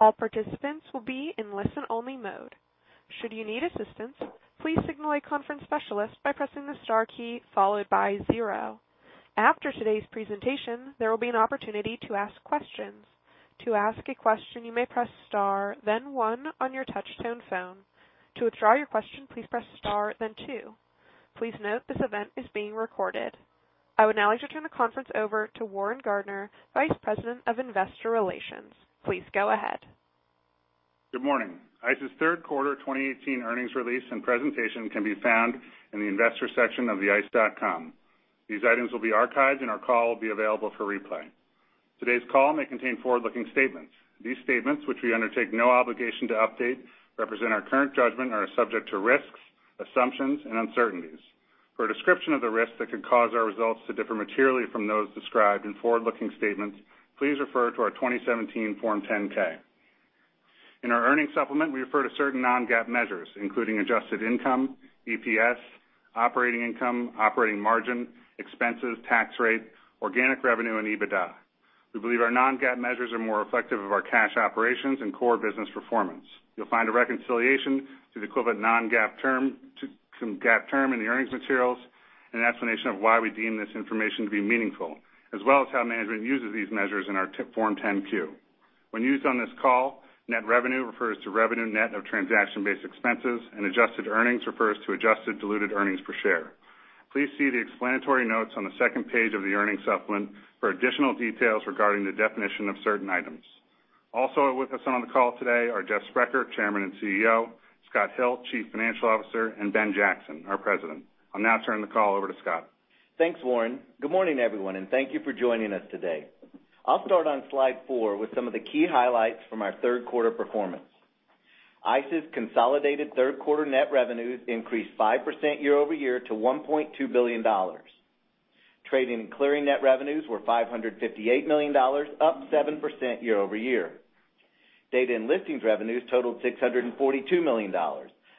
All participants will be in listen-only mode. Should you need assistance, please signal a conference specialist by pressing the star key followed by zero. After today's presentation, there will be an opportunity to ask questions. To ask a question, you may press star then one on your touch-tone phone. To withdraw your question, please press star then two. Please note this event is being recorded. I would now like to turn the conference over to Warren Gardiner, Vice President of Investor Relations. Please go ahead. Good morning. ICE's third quarter 2018 earnings release and presentation can be found in the Investors section of theice.com. These items will be archived, and our call will be available for replay. Today's call may contain forward-looking statements. These statements, which we undertake no obligation to update, represent our current judgment, are subject to risks, assumptions, and uncertainties. For a description of the risks that could cause our results to differ materially from those described in forward-looking statements, please refer to our 2017 Form 10-K. In our earnings supplement, we refer to certain non-GAAP measures, including adjusted income, EPS, operating income, operating margin, expenses, tax rate, organic revenue, and EBITDA. We believe our non-GAAP measures are more reflective of our cash operations and core business performance. You'll find a reconciliation to the equivalent non-GAAP term, to some GAAP term in the earnings materials, an explanation of why we deem this information to be meaningful, as well as how management uses these measures in our Form 10-Q. When used on this call, net revenue refers to revenue net of transaction-based expenses, and adjusted earnings refers to adjusted diluted earnings per share. Please see the explanatory notes on the second page of the earnings supplement for additional details regarding the definition of certain items. Also with us on the call today are Jeffrey Sprecher, Chairman and CEO, Scott Hill, Chief Financial Officer, and Ben Jackson, our President. I'll now turn the call over to Scott. Thanks, Warren. Good morning, everyone, and thank you for joining us today. I'll start on slide four with some of the key highlights from our third quarter performance. ICE's consolidated third quarter net revenues increased 5% year-over-year to $1.2 billion. Trading and clearing net revenues were $558 million, up 7% year-over-year. Data and listings revenues totaled $642 million,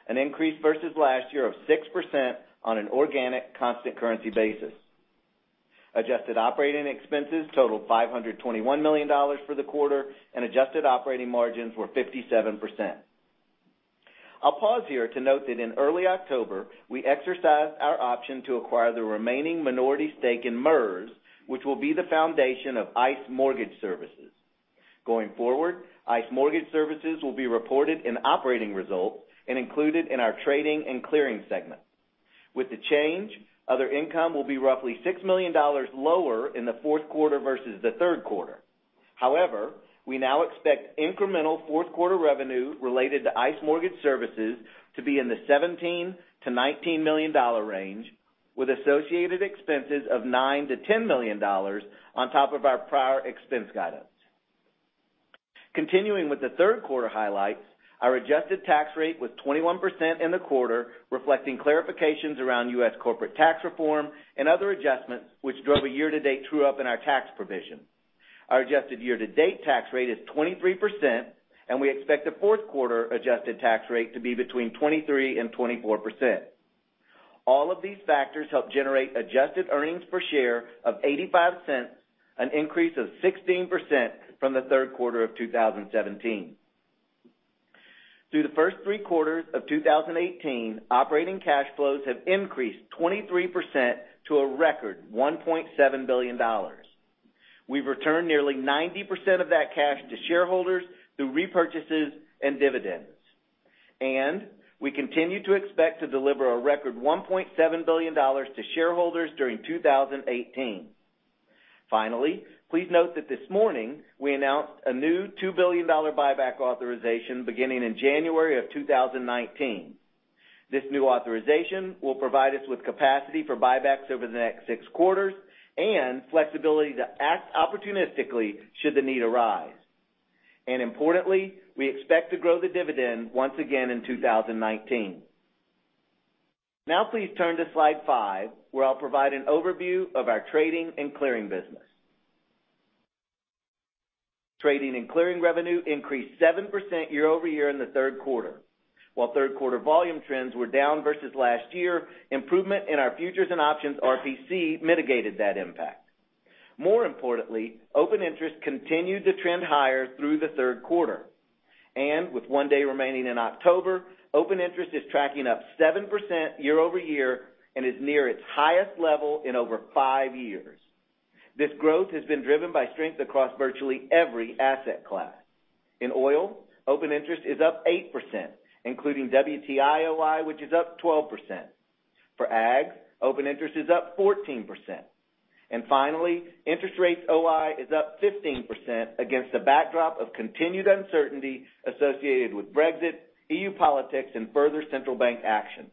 an increase versus last year of 6% on an organic, constant currency basis. Adjusted operating expenses totaled $521 million for the quarter, and adjusted operating margins were 57%. I'll pause here to note that in early October, we exercised our option to acquire the remaining minority stake in MERS, which will be the foundation of ICE Mortgage Technology. Going forward, ICE Mortgage Technology will be reported in operating results and included in our trading and clearing segment. With the change, other income will be roughly $6 million lower in the fourth quarter versus the third quarter. However, we now expect incremental fourth quarter revenue related to ICE Mortgage Technology to be in the $17 million-$19 million range, with associated expenses of $9 million-$10 million on top of our prior expense guidance. Continuing with the third quarter highlights, our adjusted tax rate was 21% in the quarter, reflecting clarifications around U.S. corporate tax reform and other adjustments, which drove a year-to-date true-up in our tax provision. Our adjusted year-to-date tax rate is 23%, and we expect the fourth quarter adjusted tax rate to be between 23% and 24%. All of these factors help generate adjusted earnings per share of $0.85, an increase of 16% from the third quarter of 2017. Through the first three quarters of 2018, operating cash flows have increased 23% to a record $1.7 billion. We've returned nearly 90% of that cash to shareholders through repurchases and dividends. We continue to expect to deliver a record $1.7 billion to shareholders during 2018. Finally, please note that this morning, we announced a new $2 billion buyback authorization beginning in January of 2019. This new authorization will provide us with capacity for buybacks over the next six quarters and flexibility to act opportunistically should the need arise. Importantly, we expect to grow the dividend once again in 2019. Please turn to slide five, where I'll provide an overview of our trading and clearing business. Trading and clearing revenue increased 7% year-over-year in the third quarter. While third quarter volume trends were down versus last year, improvement in our futures and options RPC mitigated that impact. More importantly, open interest continued to trend higher through the third quarter. With one day remaining in October, open interest is tracking up 7% year-over-year and is near its highest level in over five years. This growth has been driven by strength across virtually every asset class. In oil, open interest is up 8%, including WTI OI, which is up 12%. For Ag, open interest is up 14%. Finally, interest rates OI is up 15% against the backdrop of continued uncertainty associated with Brexit, EU politics, and further central bank action.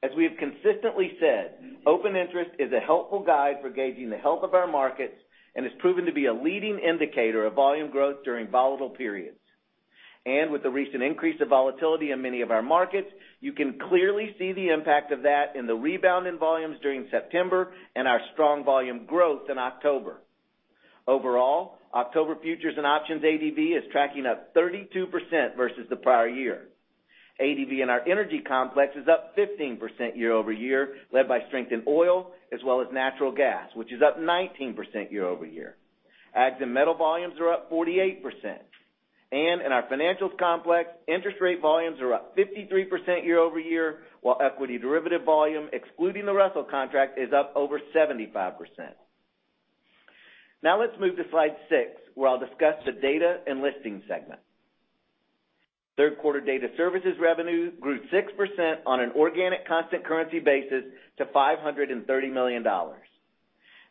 As we have consistently said, open interest is a helpful guide for gauging the health of our markets and has proven to be a leading indicator of volume growth during volatile periods. With the recent increase of volatility in many of our markets, you can clearly see the impact of that in the rebound in volumes during September and our strong volume growth in October. Overall, October futures and options ADV is tracking up 32% versus the prior year. ADV in our Energy complex is up 15% year-over-year, led by strength in oil as well as natural gas, which is up 19% year-over-year. Ags and metal volumes are up 48%. In our Financials complex, interest rate volumes are up 53% year-over-year, while equity derivative volume, excluding the Russell contract, is up over 75%. Let's move to slide six, where I'll discuss the Data and Listings segment. Third quarter data services revenues grew 6% on an organic constant currency basis to $530 million.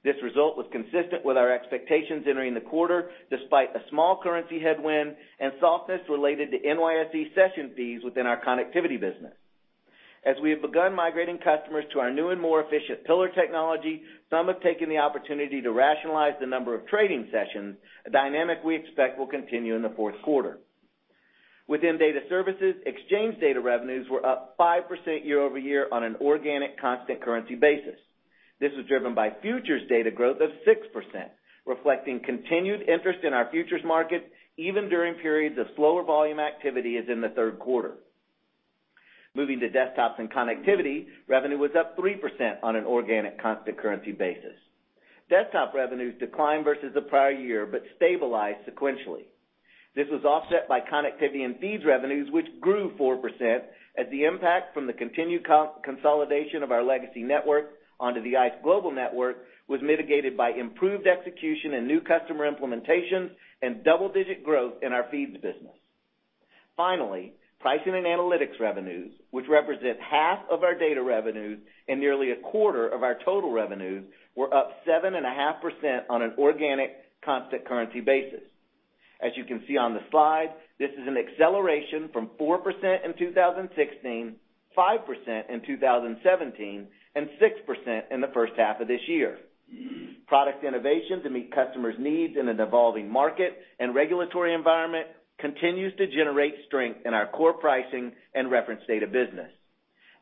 This result was consistent with our expectations entering the quarter, despite a small currency headwind and softness related to NYSE session fees within our connectivity business. As we have begun migrating customers to our new and more efficient Pillar technology, some have taken the opportunity to rationalize the number of trading sessions, a dynamic we expect will continue in the fourth quarter. Within Data Services, exchange data revenues were up 5% year-over-year on an organic constant currency basis. This was driven by futures data growth of 6%, reflecting continued interest in our futures market, even during periods of slower volume activity, as in the third quarter. Moving to Desktops and Connectivity, revenue was up 3% on an organic constant currency basis. Desktop revenues declined versus the prior year, but stabilized sequentially. This was offset by Connectivity and Fees revenues, which grew 4% as the impact from the continued consolidation of our legacy network onto the ICE Global Network was mitigated by improved execution and new customer implementations and double-digit growth in our fees business. Finally, Pricing and Analytics revenues, which represent half of our data revenues and nearly a quarter of our total revenues, were up 7.5% on an organic constant currency basis. As you can see on the slide, this is an acceleration from 4% in 2016, 5% in 2017, and 6% in the first half of this year. Product innovation to meet customers' needs in an evolving market and regulatory environment continues to generate strength in our core pricing and reference data business.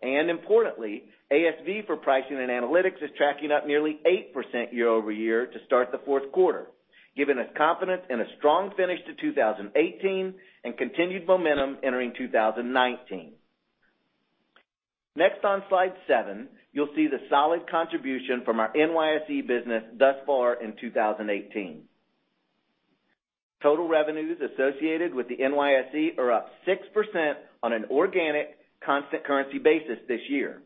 Importantly, ASV for Pricing and Analytics is tracking up nearly 8% year-over-year to start the fourth quarter, giving us confidence in a strong finish to 2018 and continued momentum entering 2019. Next on slide seven, you'll see the solid contribution from our NYSE business thus far in 2018. Total revenues associated with the NYSE are up 6% on an organic constant currency basis this year.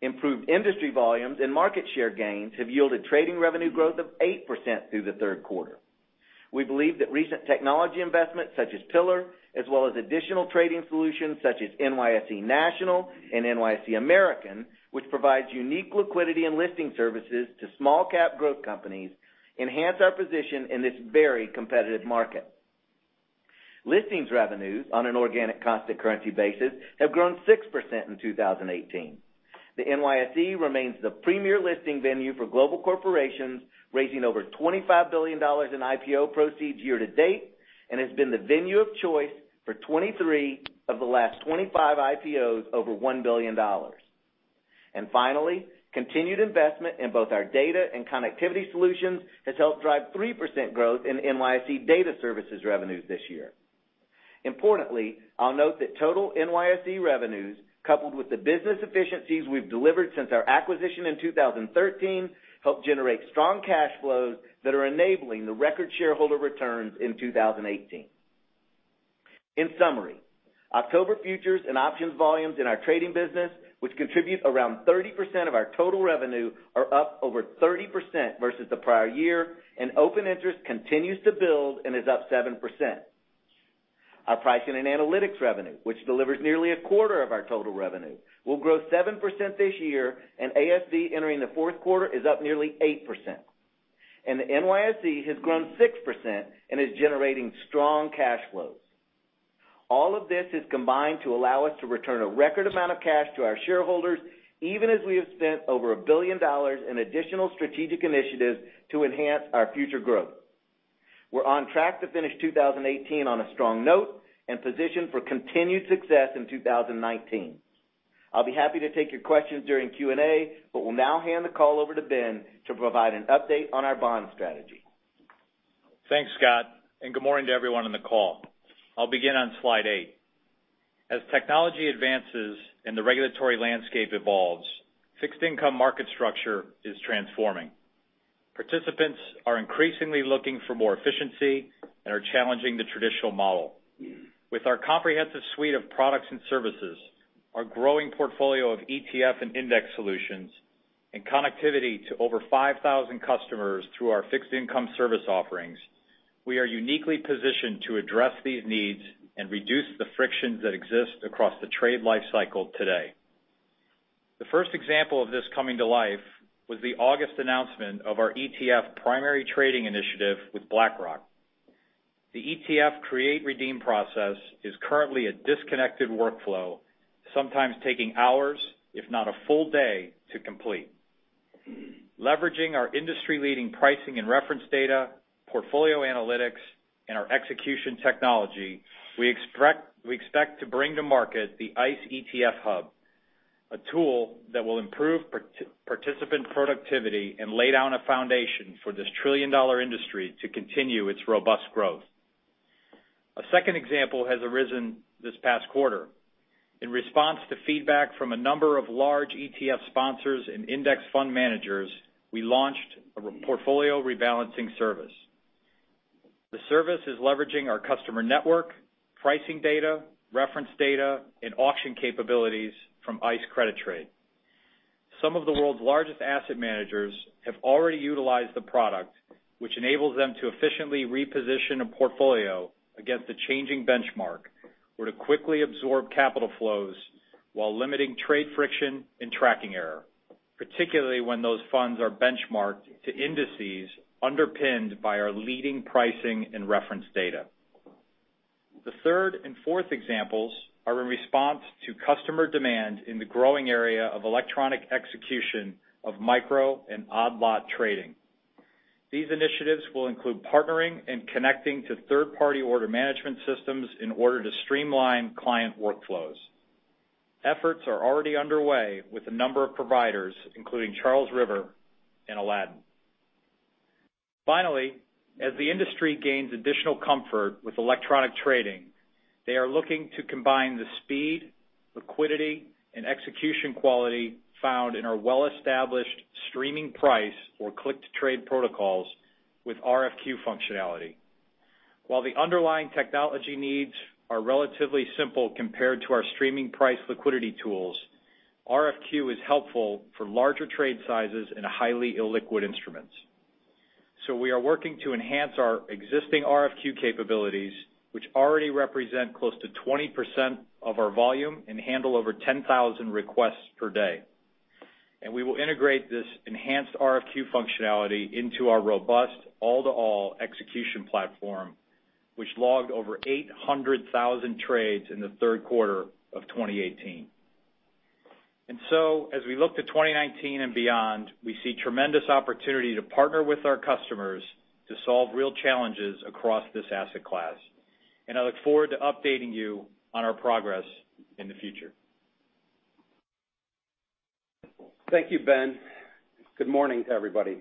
Improved industry volumes and market share gains have yielded trading revenue growth of 8% through the third quarter. We believe that recent technology investments such as Pillar, as well as additional trading solutions such as NYSE National and NYSE American, which provides unique liquidity and listing services to small cap growth companies, enhance our position in this very competitive market. Listings revenues on an organic constant currency basis have grown 6% in 2018. The NYSE remains the premier listing venue for global corporations, raising over $25 billion in IPO proceeds year to date, and has been the venue of choice for 23 of the last 25 IPOs over $1 billion. Finally, continued investment in both our data and connectivity solutions has helped drive 3% growth in NYSE data services revenues this year. Importantly, I'll note that total NYSE revenues, coupled with the business efficiencies we've delivered since our acquisition in 2013, helped generate strong cash flows that are enabling the record shareholder returns in 2018. In summary, October futures and options volumes in our trading business, which contribute around 30% of our total revenue, are up over 30% versus the prior year, and open interest continues to build and is up 7%. Our Pricing and Analytics revenue, which delivers nearly a quarter of our total revenue, will grow 7% this year, ASV entering the fourth quarter is up nearly 8%. The NYSE has grown 6% and is generating strong cash flows. All of this is combined to allow us to return a record amount of cash to our shareholders, even as we have spent over $1 billion in additional strategic initiatives to enhance our future growth. We're on track to finish 2018 on a strong note and positioned for continued success in 2019. I will be happy to take your questions during Q&A, will now hand the call over to Ben to provide an update on our bond strategy. Thanks, Scott, Good morning to everyone on the call. I will begin on slide eight. As technology advances and the regulatory landscape evolves, fixed income market structure is transforming. Participants are increasingly looking for more efficiency and are challenging the traditional model. With our comprehensive suite of products and services, our growing portfolio of ETF and index solutions, and connectivity to over 5,000 customers through our fixed income service offerings, we are uniquely positioned to address these needs and reduce the frictions that exist across the trade life cycle today. The first example of this coming to life was the August announcement of our ETF primary trading initiative with BlackRock. The ETF create-redeem process is currently a disconnected workflow, sometimes taking hours, if not a full day, to complete. Leveraging our industry-leading pricing and reference data, portfolio analytics, and our execution technology, we expect to bring to market the ICE ETF Hub. A tool that will improve participant productivity and lay down a foundation for this $1 trillion industry to continue its robust growth. A second example has arisen this past quarter. In response to feedback from a number of large ETF sponsors and index fund managers, we launched a portfolio rebalancing service. The service is leveraging our customer network, pricing data, reference data, and auction capabilities from ICE Credit Trade. Some of the world's largest asset managers have already utilized the product, which enables them to efficiently reposition a portfolio against a changing benchmark or to quickly absorb capital flows while limiting trade friction and tracking error, particularly when those funds are benchmarked to indices underpinned by our leading pricing and reference data. The third and fourth examples are in response to customer demand in the growing area of electronic execution of micro and odd-lot trading. These initiatives will include partnering and connecting to third-party order management systems in order to streamline client workflows. Efforts are already underway with a number of providers, including Charles River and Aladdin. Finally, as the industry gains additional comfort with electronic trading, they are looking to combine the speed, liquidity, and execution quality found in our well-established streaming price or click-to-trade protocols with RFQ functionality. While the underlying technology needs are relatively simple compared to our streaming price liquidity tools, RFQ is helpful for larger trade sizes and highly illiquid instruments. We are working to enhance our existing RFQ capabilities, which already represent close to 20% of our volume and handle over 10,000 requests per day. We will integrate this enhanced RFQ functionality into our robust all-to-all execution platform, which logged over 800,000 trades in the third quarter of 2018. As we look to 2019 and beyond, we see tremendous opportunity to partner with our customers to solve real challenges across this asset class. I look forward to updating you on our progress in the future. Thank you, Ben. Good morning to everybody.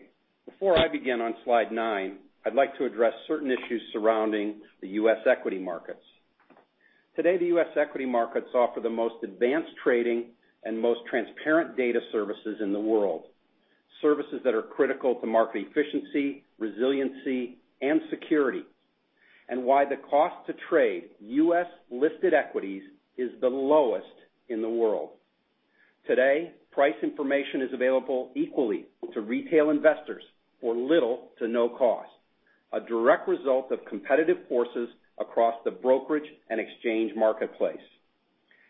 Before I begin on slide nine, I'd like to address certain issues surrounding the U.S. equity markets. Today, the U.S. equity markets offer the most advanced trading and most transparent data services in the world, services that are critical to market efficiency, resiliency, and security, and why the cost to trade U.S.-listed equities is the lowest in the world. Today, price information is available equally to retail investors for little to no cost, a direct result of competitive forces across the brokerage and exchange marketplace.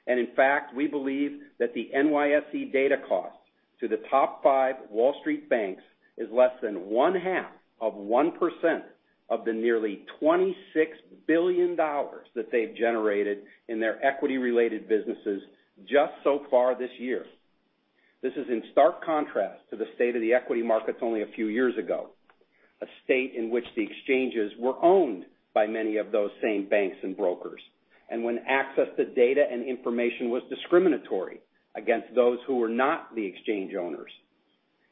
In fact, we believe that the NYSE data cost to the top five Wall Street banks is less than one half of 1% of the nearly $26 billion that they've generated in their equity-related businesses just so far this year. This is in stark contrast to the state of the equity markets only a few years ago, a state in which the exchanges were owned by many of those same banks and brokers, and when access to data and information was discriminatory against those who were not the exchange owners.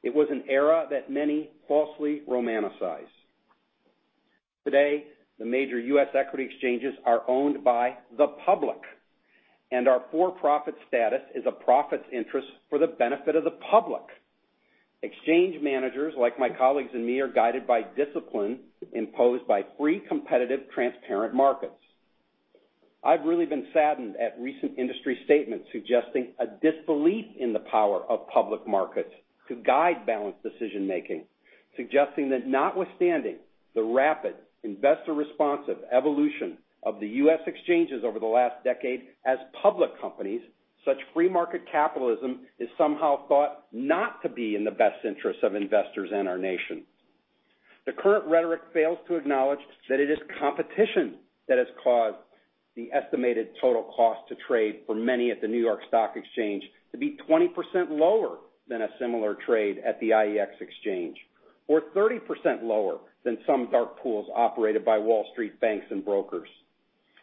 It was an era that many falsely romanticize. Today, the major U.S. equity exchanges are owned by the public, and our for-profit status is a profit interest for the benefit of the public. Exchange managers like my colleagues and me are guided by discipline imposed by free, competitive, transparent markets. I've really been saddened at recent industry statements suggesting a disbelief in the power of public markets to guide balanced decision-making, suggesting that notwithstanding the rapid investor responsive evolution of the U.S. exchanges over the last decade as public companies, such free market capitalism is somehow thought not to be in the best interest of investors and our nation. The current rhetoric fails to acknowledge that it is competition that has caused the estimated total cost to trade for many at the New York Stock Exchange to be 20% lower than a similar trade at the IEX exchange, or 30% lower than some dark pools operated by Wall Street banks and brokers.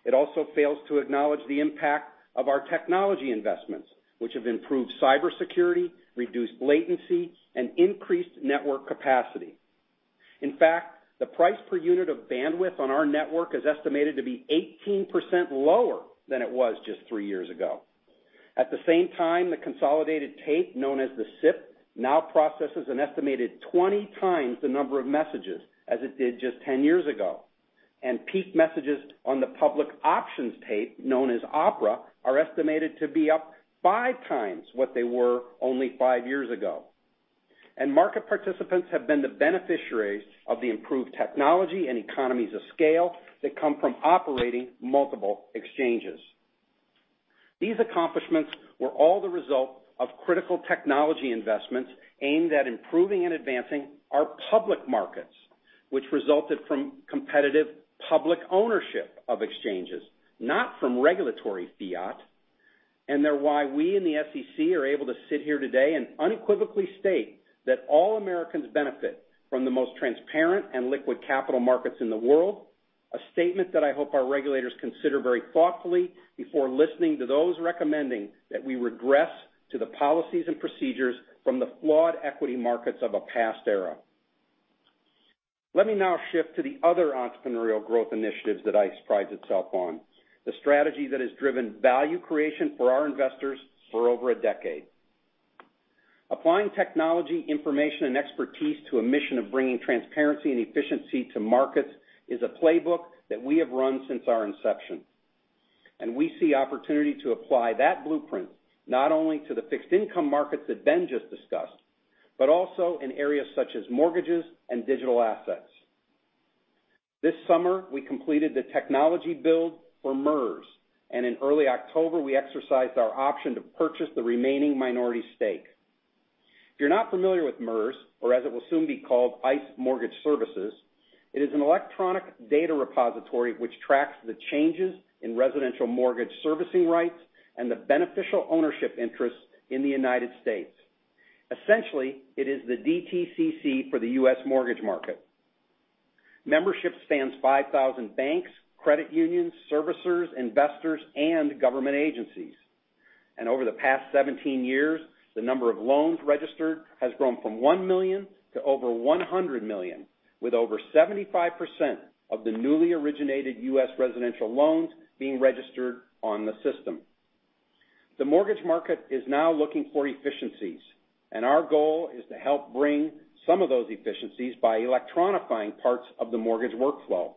It also fails to acknowledge the impact of our technology investments, which have improved cybersecurity, reduced latency, and increased network capacity. In fact, the price per unit of bandwidth on our network is estimated to be 18% lower than it was just three years ago. At the same time, the consolidated tape, known as the SIP, now processes an estimated 20 times the number of messages as it did just 10 years ago. Peak messages on the public options tape, known as OPRA, are estimated to be up five times what they were only five years ago. Market participants have been the beneficiaries of the improved technology and economies of scale that come from operating multiple exchanges. These accomplishments were all the result of critical technology investments aimed at improving and advancing our public markets, which resulted from competitive public ownership of exchanges, not from regulatory fiat. They're why we in the SEC are able to sit here today and unequivocally state that all Americans benefit from the most transparent and liquid capital markets in the world. A statement that I hope our regulators consider very thoughtfully before listening to those recommending that we regress to the policies and procedures from the flawed equity markets of a past era. Let me now shift to the other entrepreneurial growth initiatives that ICE prides itself on, the strategy that has driven value creation for our investors for over a decade. Applying technology, information, and expertise to a mission of bringing transparency and efficiency to markets is a playbook that we have run since our inception. We see opportunity to apply that blueprint not only to the fixed income markets that Ben just discussed, but also in areas such as mortgages and digital assets. This summer, we completed the technology build for MERS, and in early October, we exercised our option to purchase the remaining minority stake. If you're not familiar with MERS, or as it will soon be called, ICE Mortgage Services, it is an electronic data repository which tracks the changes in residential mortgage servicing rights and the beneficial ownership interests in the U.S. Essentially, it is the DTCC for the U.S. mortgage market. Membership spans 5,000 banks, credit unions, servicers, investors, and government agencies. Over the past 17 years, the number of loans registered has grown from one million to over 100 million, with over 75% of the newly originated U.S. residential loans being registered on the system. The mortgage market is now looking for efficiencies, and our goal is to help bring some of those efficiencies by electronifying parts of the mortgage workflow.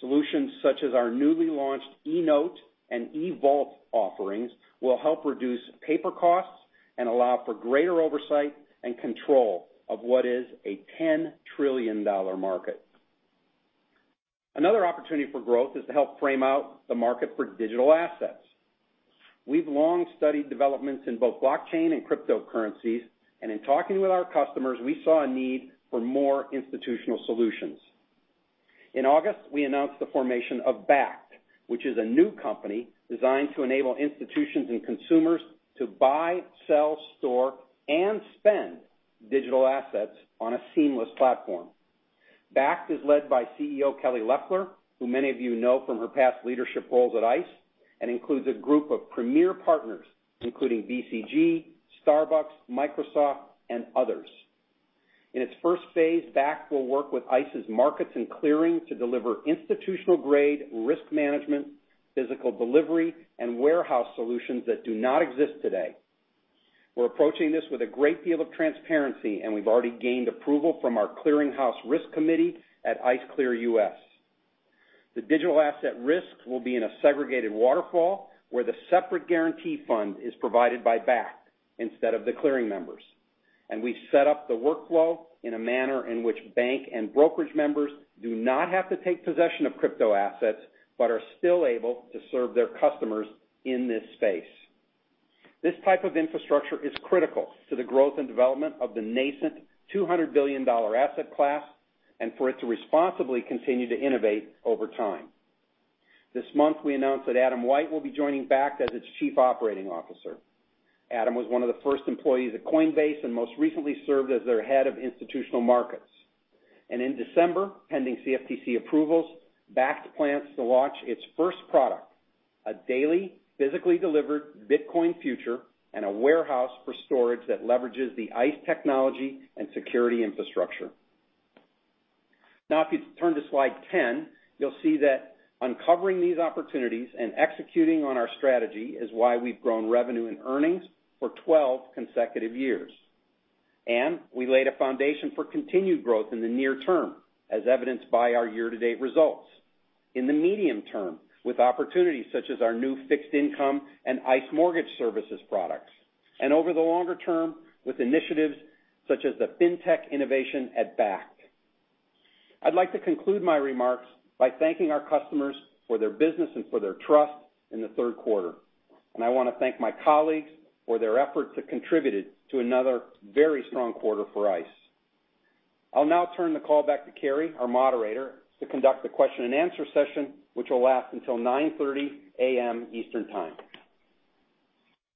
Solutions such as our newly launched eNote and eVault offerings will help reduce paper costs and allow for greater oversight and control of what is a $10 trillion market. Another opportunity for growth is to help frame out the market for digital assets. We've long studied developments in both blockchain and cryptocurrencies, and in talking with our customers, we saw a need for more institutional solutions. In August, we announced the formation of Bakkt, which is a new company designed to enable institutions and consumers to buy, sell, store, and spend digital assets on a seamless platform. Bakkt is led by CEO Kelly Loeffler, who many of you know from her past leadership roles at ICE, and includes a group of premier partners, including BCG, Starbucks, Microsoft, and others. In its first phase, Bakkt will work with ICE's markets and clearing to deliver institutional-grade risk management, physical delivery, and warehouse solutions that do not exist today. We're approaching this with a great deal of transparency, and we've already gained approval from our clearing house risk committee at ICE Clear U.S. The digital asset risks will be in a segregated waterfall where the separate guarantee fund is provided by Bakkt instead of the clearing members. We've set up the workflow in a manner in which bank and brokerage members do not have to take possession of crypto assets but are still able to serve their customers in this space. This type of infrastructure is critical to the growth and development of the nascent $200 billion asset class and for it to responsibly continue to innovate over time. This month, we announced that Adam White will be joining Bakkt as its Chief Operating Officer. Adam was one of the first employees at Coinbase and most recently served as their head of institutional markets. In December, pending CFTC approvals, Bakkt plans to launch its first product, a daily, physically delivered Bitcoin future and a warehouse for storage that leverages the ICE technology and security infrastructure. Now, if you turn to slide 10, you'll see that uncovering these opportunities and executing on our strategy is why we've grown revenue and earnings for 12 consecutive years. We laid a foundation for continued growth in the near term, as evidenced by our year-to-date results. In the medium term, with opportunities such as our new fixed income and ICE Mortgage Technology products. Over the longer term, with initiatives such as the fintech innovation at Bakkt. I'd like to conclude my remarks by thanking our customers for their business and for their trust in the third quarter. I want to thank my colleagues for their efforts that contributed to another very strong quarter for ICE. I'll now turn the call back to Carrie, our moderator, to conduct the question and answer session, which will last until 9:30 A.M. Eastern Time.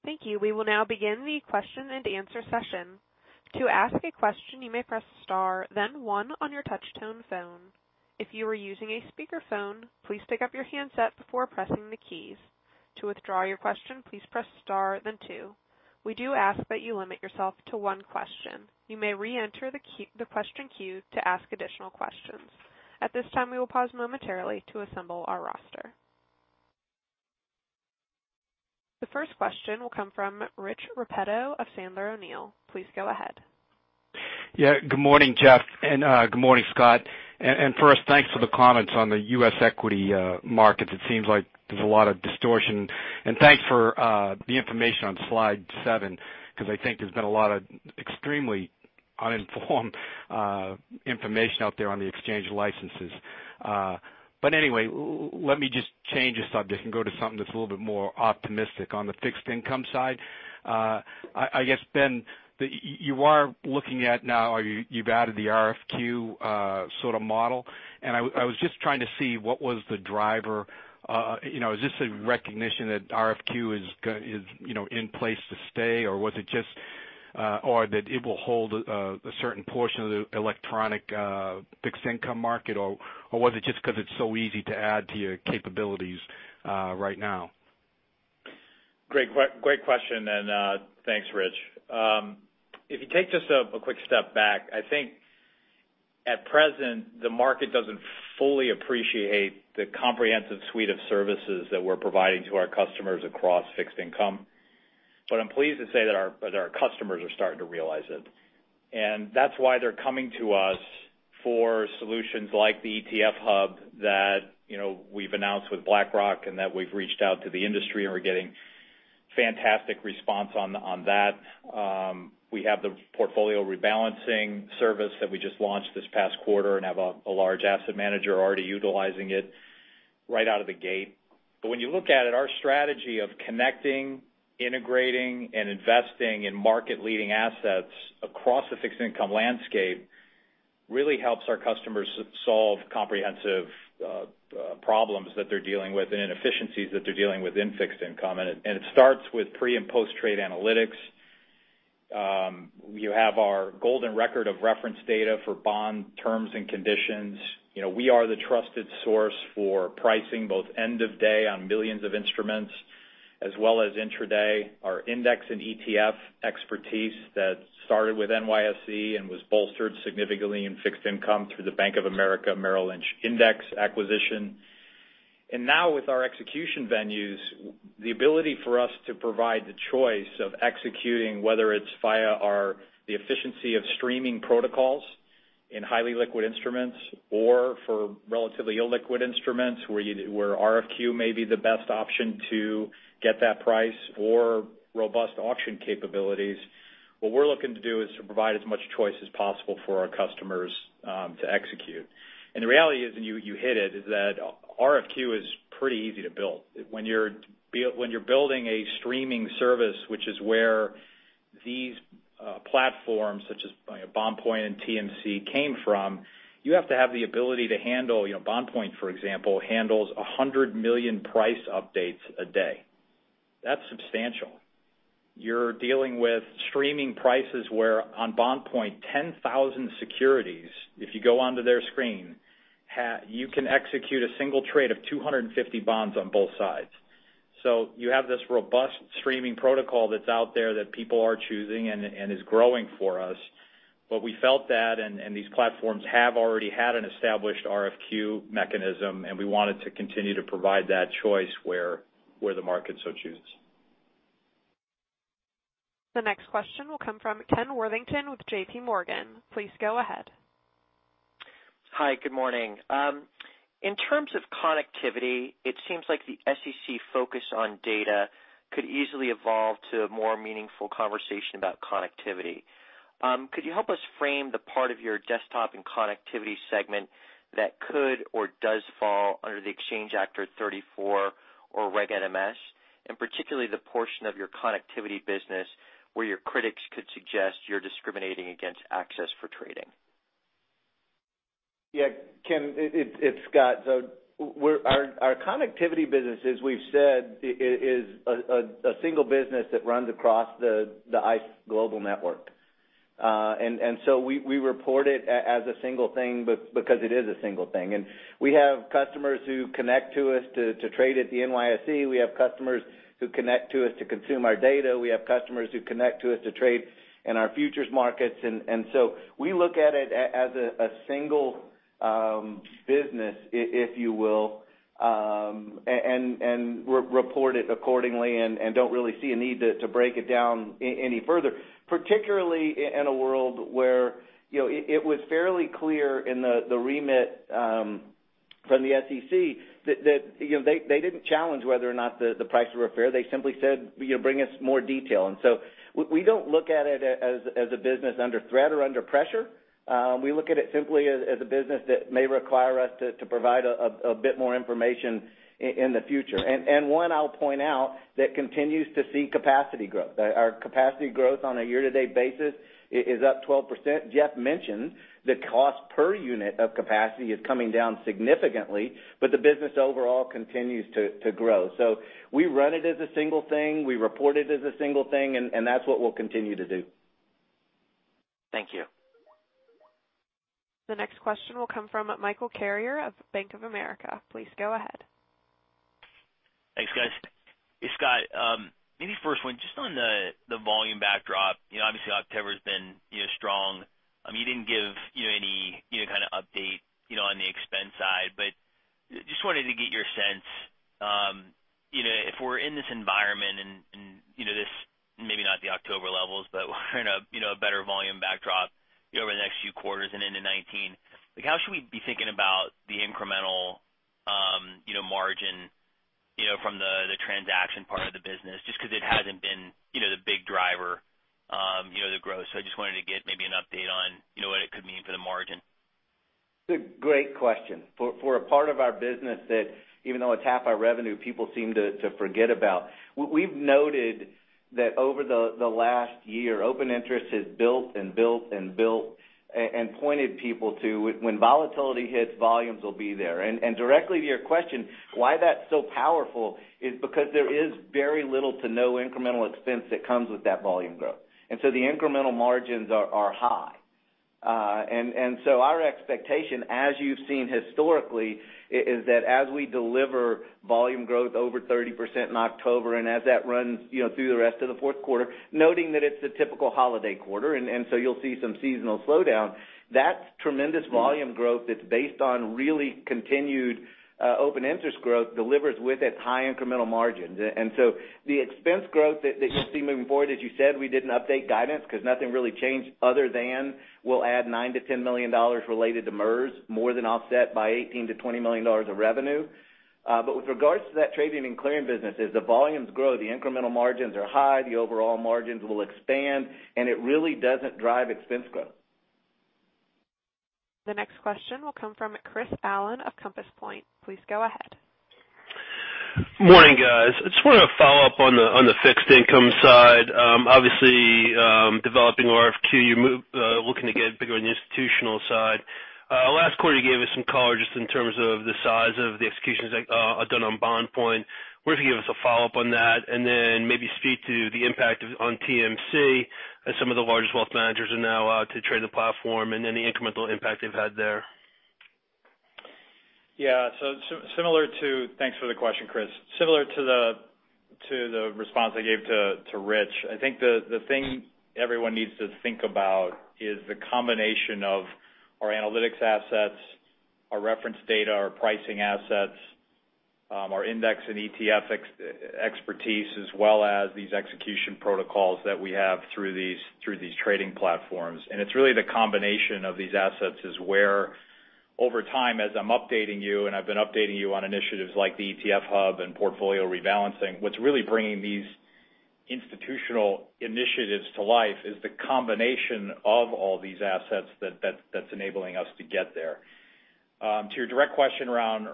Thank you. We will now begin the question and answer session. To ask a question, you may press star then one on your touch tone phone. If you are using a speakerphone, please pick up your handset before pressing the keys. To withdraw your question, please press star then two. We do ask that you limit yourself to one question. You may re-enter the question queue to ask additional questions. At this time, we will pause momentarily to assemble our roster. The first question will come from Rich Repetto of Sandler O'Neill. Please go ahead. Good morning, Jeff, and good morning, Scott. First, thanks for the comments on the U.S. equity markets. It seems like there's a lot of distortion. Thanks for the information on slide seven, because I think there's been a lot of extremely uninformed information out there on the exchange licenses. Anyway, let me just change the subject and go to something that's a little bit more optimistic. On the fixed income side, I guess, Ben, you are looking at now, or you've added the RFQ sort of model. I was just trying to see what was the driver. Is this a recognition that RFQ is in place to stay, or that it will hold a certain portion of the electronic fixed income market, or was it just because it's so easy to add to your capabilities right now? Great question, and thanks, Rich. If you take just a quick step back, I think at present, the market doesn't fully appreciate the comprehensive suite of services that we're providing to our customers across fixed income. I'm pleased to say that our customers are starting to realize it, and that's why they're coming to us for solutions like the ICE ETF Hub that we've announced with BlackRock and that we've reached out to the industry, and we're getting fantastic response on that. We have the portfolio rebalancing service that we just launched this past quarter and have a large asset manager already utilizing it right out of the gate. When you look at it, our strategy of connecting, integrating, and investing in market-leading assets across the fixed income landscape really helps our customers solve comprehensive problems that they're dealing with and inefficiencies that they're dealing with in fixed income. It starts with pre- and post-trade analytics. You have our golden record of reference data for bond terms and conditions. We are the trusted source for pricing, both end of day on millions of instruments, as well as intraday. Our index and ETF expertise that started with NYSE and was bolstered significantly in fixed income through the Bank of America Merrill Lynch index acquisition. Now with our execution venues, the ability for us to provide the choice of executing, whether it's via the efficiency of streaming protocols in highly liquid instruments or for relatively illiquid instruments where RFQ may be the best option to get that price or robust auction capabilities. What we're looking to do is to provide as much choice as possible for our customers to execute. The reality is, and you hit it, is that RFQ is pretty easy to build. When you're building a streaming service, which is where these platforms, such as BondPoint and ICE TMC came from, you have to have the ability to handle. BondPoint, for example, handles 100 million price updates a day. That's substantial. You're dealing with streaming prices where on BondPoint, 10,000 securities, if you go onto their screen, you can execute a single trade of 250 bonds on both sides. You have this robust streaming protocol that's out there that people are choosing and is growing for us. We felt that, and these platforms have already had an established RFQ mechanism, and we wanted to continue to provide that choice where the market so chooses. The next question will come from Ken Worthington with J.P. Morgan. Please go ahead. Hi, good morning. In terms of connectivity, it seems like the SEC focus on data could easily evolve to a more meaningful conversation about connectivity. Could you help us frame the part of your desktop and connectivity segment that could or does fall under the Exchange Act or 34 or Reg NMS, and particularly the portion of your connectivity business where your critics could suggest you're discriminating against access for trading? Yeah, Ken, it's Scott. Our connectivity business, as we've said, is a single business that runs across the ICE Global Network. We report it as a single thing because it is a single thing. We have customers who connect to us to trade at the NYSE. We have customers who connect to us to consume our data. We have customers who connect to us to trade in our futures markets. We look at it as a single business, if you will, and report it accordingly and don't really see a need to break it down any further, particularly in a world where it was fairly clear in the remit from the SEC that they didn't challenge whether or not the price were fair. They simply said, "Bring us more detail." We don't look at it as a business under threat or under pressure. We look at it simply as a business that may require us to provide a bit more information in the future. One I'll point out that continues to see capacity growth. Our capacity growth on a year-to-date basis is up 12%. Jeff mentioned the cost per unit of capacity is coming down significantly, but the business overall continues to grow. We run it as a single thing, we report it as a single thing, and that's what we'll continue to do. Thank you. The next question will come from Michael Carrier of Bank of America. Please go ahead. Thanks, guys. Hey, Scott. Maybe first one, just on the volume backdrop. Obviously, October's been strong. You didn't give any kind of update on the expense side, but just wanted to get your sense. If we're in this environment and this maybe not the October levels, but we're in a better volume backdrop over the next few quarters and into 2019. How should we be thinking about the incremental margin from the transaction part of the business, just because it hasn't been the big driver, the growth. I just wanted to get maybe an update on what it could mean for the margin. It's a great question. For a part of our business that even though it's half our revenue, people seem to forget about. We've noted that over the last year, open interest has built and built and built and pointed people to when volatility hits, volumes will be there. Directly to your question, why that's so powerful is because there is very little to no incremental expense that comes with that volume growth. The incremental margins are high. Our expectation, as you've seen historically, is that as we deliver volume growth over 30% in October, as that runs through the rest of the fourth quarter, noting that it's a typical holiday quarter, you'll see some seasonal slowdown. That's tremendous volume growth that's based on really continued open interest growth delivers with it high incremental margins. The expense growth that you'll see moving forward, as you said, we didn't update guidance because nothing really changed other than we'll add $9 million to $10 million related to MERS, more than offset by $18 million to $20 million of revenue. With regards to that trading and clearing business, as the volumes grow, the incremental margins are high, the overall margins will expand, and it really doesn't drive expense growth. The next question will come from Chris Allen of Compass Point. Please go ahead. Morning, guys. I just want to follow up on the fixed income side. Obviously, developing RFQ, you're looking to get bigger on the institutional side. Last quarter, you gave us some color just in terms of the size of the executions done on BondPoint. I was wondering if you could give us a follow-up on that, and then maybe speak to the impact on TMC as some of the largest wealth managers are now allowed to trade the platform and any incremental impact they've had there. Yeah, thanks for the question, Chris. Similar to the response I gave to Rich, I think the thing everyone needs to think about is the combination of our analytics assets, our reference data, our pricing assets, our index and ETF expertise, as well as these execution protocols that we have through these trading platforms. It's really the combination of these assets is where, over time, as I'm updating you, I've been updating you on initiatives like the ETF Hub and portfolio rebalancing. What's really bringing these institutional initiatives to life is the combination of all these assets that's enabling us to get there. To your direct question around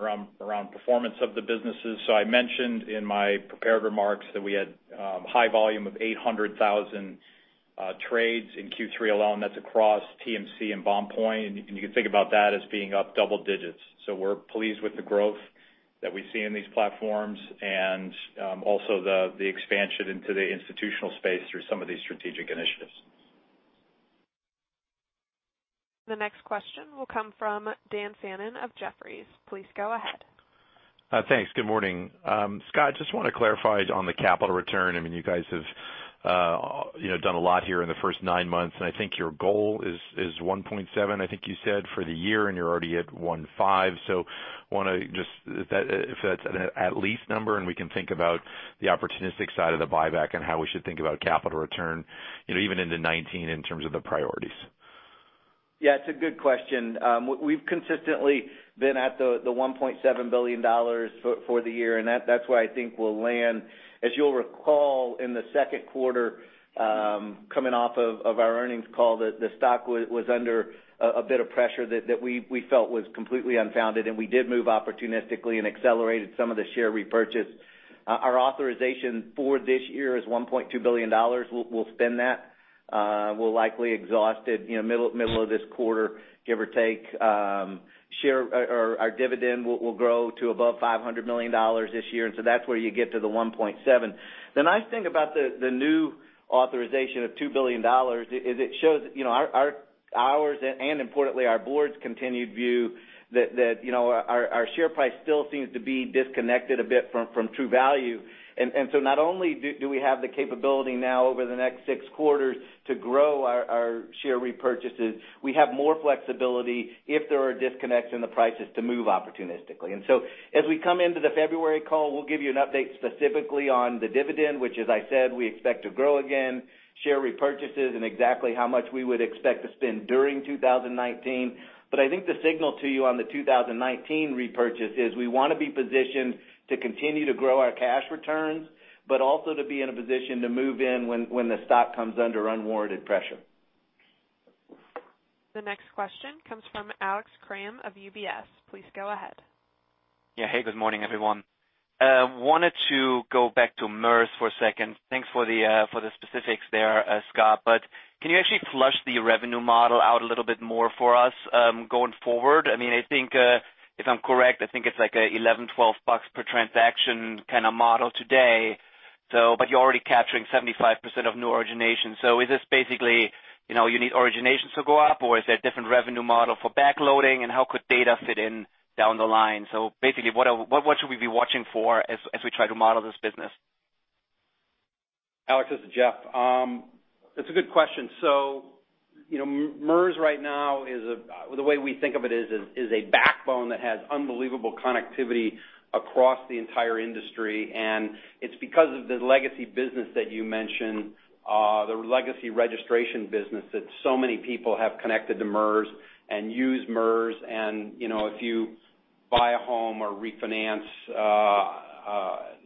performance of the businesses, I mentioned in my prepared remarks that we had high volume of 800,000 trades in Q3 alone. That's across TMC and BondPoint. You can think about that as being up double digits. We're pleased with the growth that we see in these platforms and also the expansion into the institutional space through some of these strategic initiatives. The next question will come from Daniel Fannon of Jefferies. Please go ahead. Thanks. Good morning. Scott, just want to clarify on the capital return. You guys have done a lot here in the first nine months, and I think your goal is $1.7 billion, I think you said, for the year, and you're already at $1.5 billion. If that's an at least number, and we can think about the opportunistic side of the buyback and how we should think about capital return, even into 2019 in terms of the priorities. Yeah, it's a good question. We've consistently been at the $1.7 billion for the year, and that's where I think we'll land. As you'll recall, in the second quarter, coming off of our earnings call, the stock was under a bit of pressure that we felt was completely unfounded, and we did move opportunistically and accelerated some of the share repurchase. Our authorization for this year is $1.2 billion. We'll spend that. We'll likely exhaust it middle of this quarter, give or take. Our dividend will grow to above $500 million this year, and that's where you get to the $1.7 billion. The nice thing about the new authorization of $2 billion is it shows ours, and importantly, our board's continued view that our share price still seems to be disconnected a bit from true value. Not only do we have the capability now over the next six quarters to grow our share repurchases, we have more flexibility if there are disconnects in the prices to move opportunistically. As we come into the February call, we'll give you an update specifically on the dividend, which, as I said, we expect to grow again, share repurchases, and exactly how much we would expect to spend during 2019. I think the signal to you on the 2019 repurchase is we want to be positioned to continue to grow our cash returns, but also to be in a position to move in when the stock comes under unwarranted pressure. The next question comes from Alex Kramm of UBS. Please go ahead. Yeah. Hey, good morning, everyone. Wanted to go back to MERS for a second. Thanks for the specifics there, Scott. Can you actually flush the revenue model out a little bit more for us going forward? If I'm correct, I think it's like a $11, $12 per transaction kind of model today. You're already capturing 75% of new originations. Is this basically, you need originations to go up, or is there a different revenue model for backloading, and how could data fit in down the line? Basically, what should we be watching for as we try to model this business? Alex, this is Jeff. It's a good question. MERS right now, the way we think of it is a backbone that has unbelievable connectivity across the entire industry, and it's because of the legacy business that you mentioned, the legacy registration business, that so many people have connected to MERS and use MERS. If you buy a home or refinance,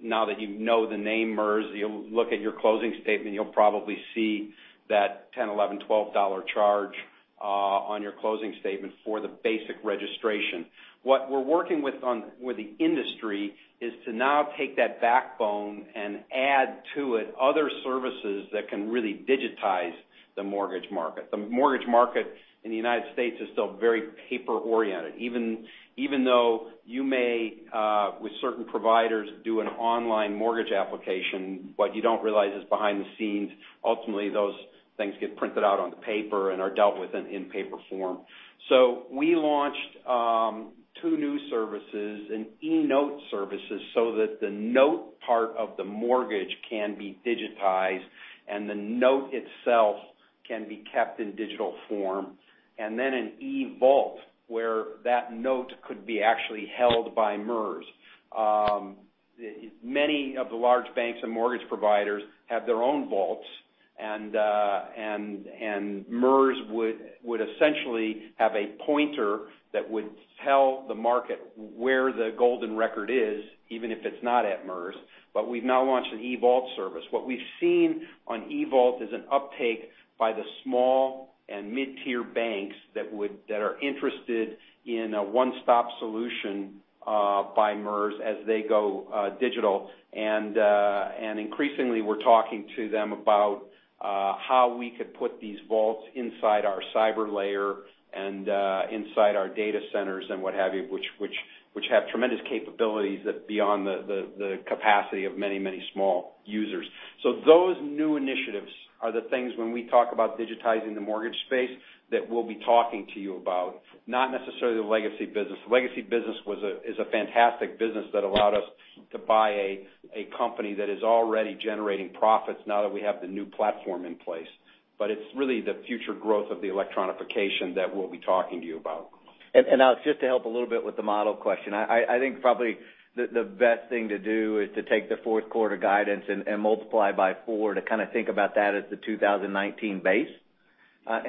now that you know the name MERS, you'll look at your closing statement, you'll probably see that $10, $11, $12 charge on your closing statement for the basic registration. What we're working with on with the index industry is to now take that backbone and add to it other services that can really digitize the mortgage market. The mortgage market in the U.S. is still very paper-oriented. Even though you may, with certain providers, do an online mortgage application, what you don't realize is behind the scenes, ultimately, those things get printed out on paper and are dealt with in paper form. We launched two new services, an eNote services, so that the note part of the mortgage can be digitized and the note itself can be kept in digital form, and then an eVault, where that note could be actually held by MERS. Many of the large banks and mortgage providers have their own vaults, and MERS would essentially have a pointer that would tell the market where the golden record is, even if it's not at MERS. We've now launched an eVault service. What we've seen on eVault is an uptake by the small and mid-tier banks that are interested in a one-stop solution by MERS as they go digital. Increasingly, we're talking to them about how we could put these vaults inside our cyber layer and inside our data centers and what have you, which have tremendous capabilities beyond the capacity of many small users. Those new initiatives are the things, when we talk about digitizing the mortgage space, that we'll be talking to you about, not necessarily the legacy business. The legacy business is a fantastic business that allowed us to buy a company that is already generating profits now that we have the new platform in place, but it's really the future growth of the electronification that we'll be talking to you about. Now, just to help a little bit with the model question, I think probably the best thing to do is to take the fourth quarter guidance and multiply by 4 to think about that as the 2019 base.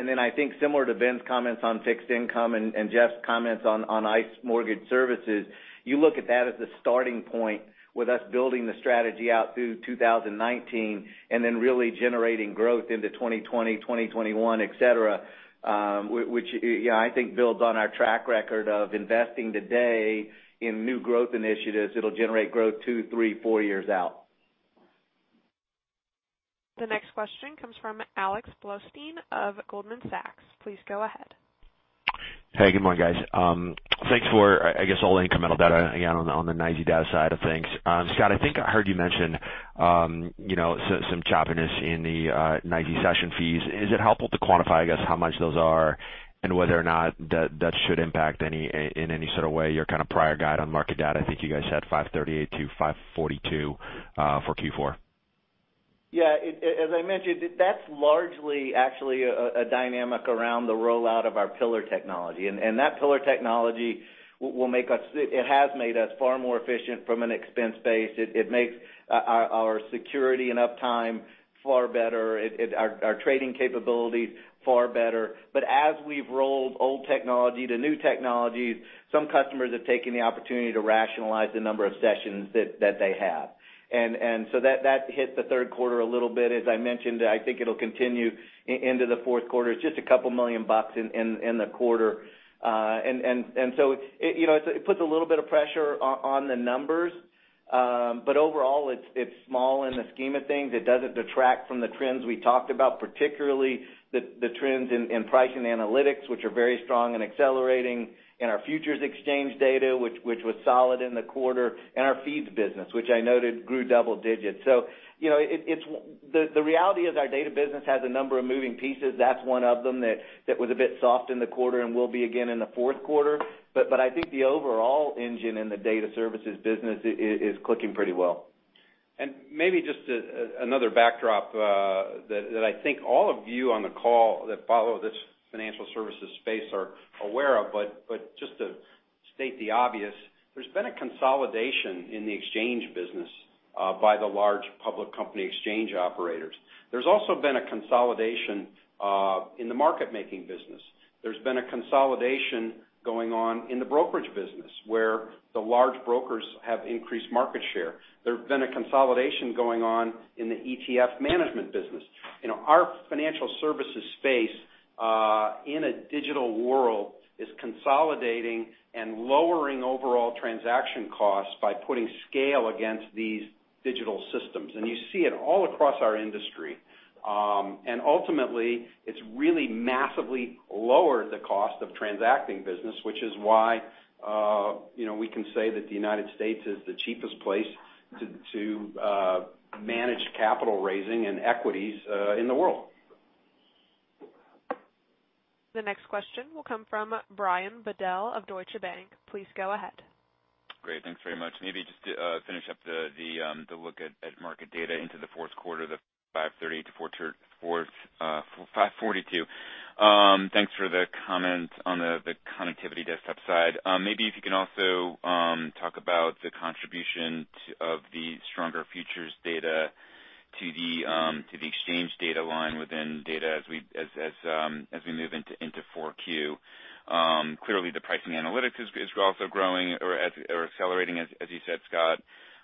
Then I think similar to Ben's comments on fixed income and Jeff's comments on ICE Mortgage Technology, you look at that as the starting point with us building the strategy out through 2019 and then really generating growth into 2020, 2021, et cetera, which, yeah, I think builds on our track record of investing today in new growth initiatives. It'll generate growth two, three, four years out. The next question comes from Alexander Blostein of Goldman Sachs. Please go ahead. Hey, good morning, guys. Thanks for, I guess all the incremental data again on the NYSE data side of things. Scott, I think I heard you mention some choppiness in the NYSE session fees. Is it helpful to quantify, I guess, how much those are and whether or not that should impact in any sort of way your kind of prior guide on market data? I think you guys had 538 to 542 for Q4. Yeah. As I mentioned, that's largely actually a dynamic around the rollout of our Pillar technology. That Pillar technology, it has made us far more efficient from an expense base. It makes our security and uptime far better, our trading capabilities far better. As we've rolled old technology to new technologies, some customers have taken the opportunity to rationalize the number of sessions that they have. That hit the third quarter a little bit. As I mentioned, I think it'll continue into the fourth quarter. It's just $2 million in the quarter. It puts a little bit of pressure on the numbers. Overall, it's small in the scheme of things. It doesn't detract from the trends we talked about, particularly the trends in Pricing and Analytics, which are very strong and accelerating, in our futures exchange data, which was solid in the quarter, and our feeds business, which I noted grew double digits. The reality is our data business has a number of moving pieces. That's one of them that was a bit soft in the quarter and will be again in the fourth quarter. I think the overall engine in the data services business is clicking pretty well. Maybe just another backdrop that I think all of you on the call that follow this financial services space are aware of, but just to state the obvious, there's been a consolidation in the exchange business by the large public company exchange operators. There's also been a consolidation in the market-making business. There's been a consolidation going on in the brokerage business, where the large brokers have increased market share. There's been a consolidation going on in the ETF management business. Our financial services space, in a digital world, is consolidating and lowering overall transaction costs by putting scale against these digital systems. You see it all across our industry. Ultimately, it's really massively lowered the cost of transacting business, which is why we can say that the U.S. is the cheapest place to manage capital raising and equities in the world. The next question will come from Brian Bedell of Deutsche Bank. Please go ahead. Great. Thanks very much. Maybe just to finish up the look at Market Data into the fourth quarter, the $530 million-$542 million. Thanks for the comment on the Connectivity Desktop side. Maybe if you can also talk about the contribution of the stronger futures data to the exchange data line within data as we move into 4Q. Clearly, the Pricing and Analytics is also growing or accelerating as you said, Scott.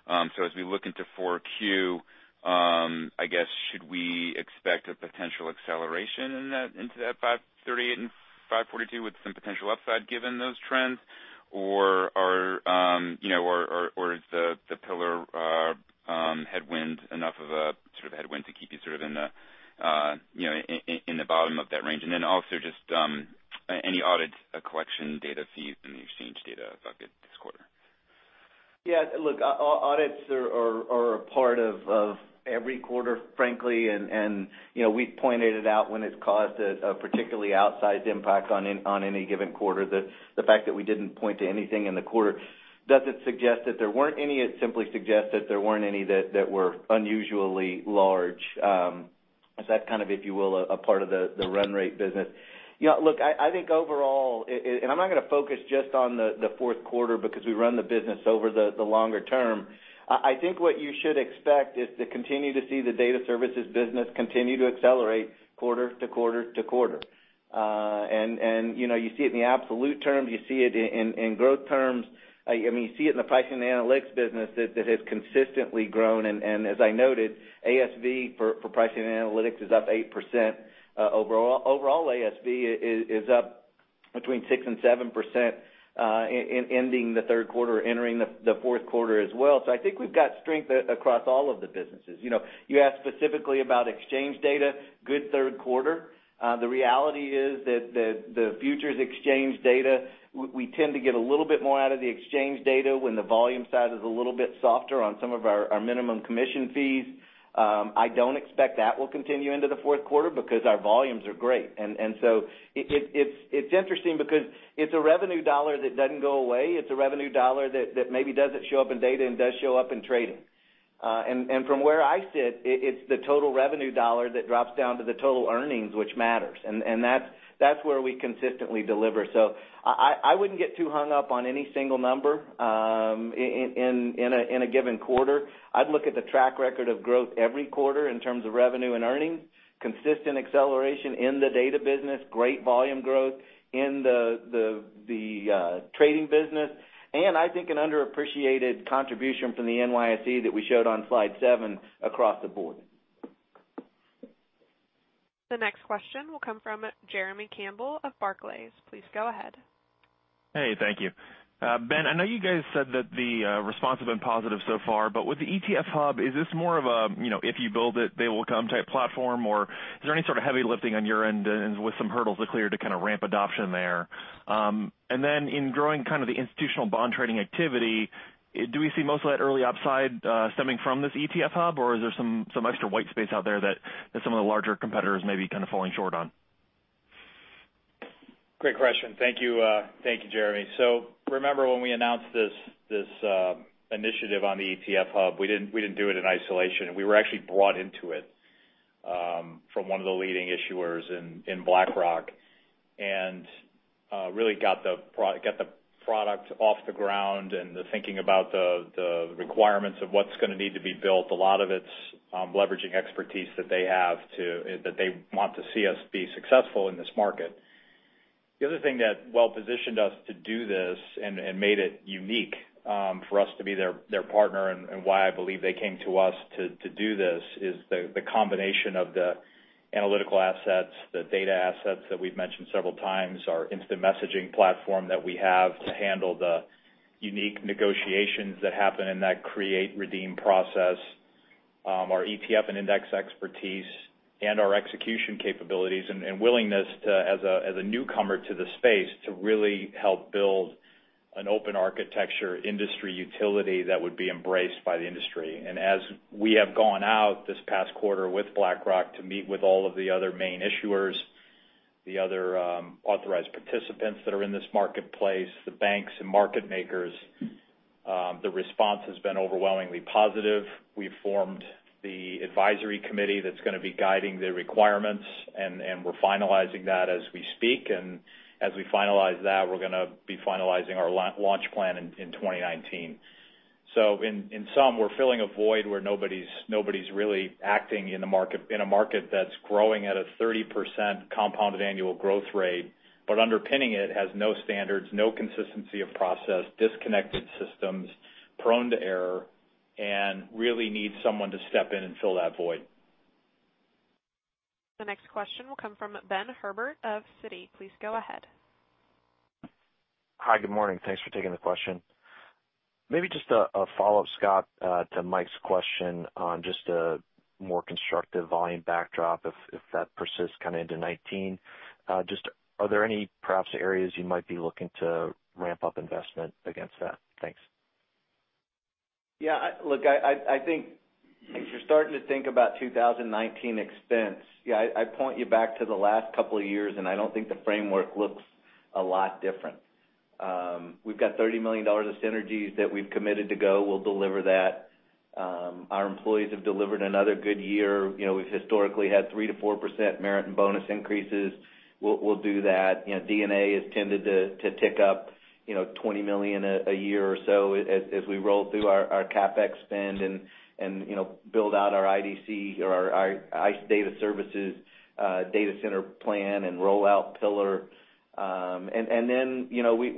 As we look into 4Q, I guess, should we expect a potential acceleration into that $538 million-$542 million with some potential upside given those trends? Or is the Pillar headwind enough of a sort of headwind to keep you sort of in the bottom of that range? Also just any audits, collection data fees, and the exchange data bucket this quarter? Yeah, look, audits are a part of every quarter, frankly. We've pointed it out when it's caused a particularly outsized impact on any given quarter. The fact that we didn't point to anything in the quarter doesn't suggest that there weren't any, it simply suggests that there weren't any that were unusually large. It's that kind of, if you will, a part of the run rate business. Look, I think overall, I'm not going to focus just on the fourth quarter because we run the business over the longer term. I think what you should expect is to continue to see the data services business continue to accelerate quarter to quarter to quarter. You see it in the absolute terms, you see it in growth terms. You see it in the Pricing and Analytics business that has consistently grown. As I noted, ASV for Pricing and Analytics is up 8% overall. Overall ASV is up between 6% and 7% in ending the third quarter, entering the fourth quarter as well. I think we've got strength across all of the businesses. You asked specifically about exchange data, good third quarter. The reality is that the futures exchange data, we tend to get a little bit more out of the exchange data when the volume side is a little bit softer on some of our minimum commission fees. I don't expect that will continue into the fourth quarter because our volumes are great. It's interesting because it's a revenue dollar that doesn't go away. It's a revenue dollar that maybe doesn't show up in data and does show up in trading. From where I sit, it's the total revenue dollar that drops down to the total earnings, which matters. That's where we consistently deliver. I wouldn't get too hung up on any single number in a given quarter. I'd look at the track record of growth every quarter in terms of revenue and earnings, consistent acceleration in the data business, great volume growth in the trading business, and I think an underappreciated contribution from the NYSE that we showed on slide seven across the board. The next question will come from Jeremy Campbell of Barclays. Please go ahead. Hey, thank you. Ben, I know you guys said that the response has been positive so far, with the ICE ETF Hub, is this more of a, if you build it, they will come type platform, or is there any sort of heavy lifting on your end and with some hurdles to clear to kind of ramp adoption there? In growing kind of the institutional bond trading activity, do we see most of that early upside stemming from this ICE ETF Hub, or is there some extra white space out there that some of the larger competitors may be kind of falling short on? Great question. Thank you. Thank you, Jeremy. Remember when we announced this initiative on the ICE ETF Hub, we didn't do it in isolation. We were actually brought into it from one of the leading issuers in BlackRock and really got the product off the ground and the thinking about the requirements of what's going to need to be built. A lot of it's leveraging expertise that they want to see us be successful in this market. The other thing that well-positioned us to do this and made it unique for us to be their partner and why I believe they came to us to do this is the combination of the analytical assets, the data assets that we've mentioned several times, our instant messaging platform that we have to handle the unique negotiations that happen in that create redeem process, our ETF and index expertise, and our execution capabilities and willingness as a newcomer to the space to really help build an open architecture industry utility that would be embraced by the industry. As we have gone out this past quarter with BlackRock to meet with all of the other main issuers, the other authorized participants that are in this marketplace, the banks and market makers, the response has been overwhelmingly positive. We've formed the advisory committee that's going to be guiding the requirements, and we're finalizing that as we speak. As we finalize that, we're going to be finalizing our launch plan in 2019. In sum, we're filling a void where nobody's really acting in a market that's growing at a 30% compounded annual growth rate, but underpinning it has no standards, no consistency of process, disconnected systems, prone to error, and really needs someone to step in and fill that void. The next question will come from Ben Herbet of Citi. Please go ahead. Hi, good morning. Thanks for taking the question. Maybe just a follow-up, Scott, to Mike's question on just a more constructive volume backdrop if that persists kind of into 2019. Just are there any perhaps areas you might be looking to ramp up investment against that? Thanks. I think as you're starting to think about 2019 expense, I point you back to the last couple of years, I don't think the framework looks a lot different. We've got $30 million of synergies that we've committed to go. We'll deliver that. Our employees have delivered another good year. We've historically had 3%-4% merit and bonus increases. We'll do that. D&A has tended to tick up $20 million a year or so as we roll through our CapEx spend and build out our IDC or our ICE Data Services data center plan and roll out Pillar.